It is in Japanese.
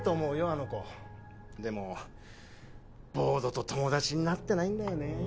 あの子でもボードと友達になってないんだよね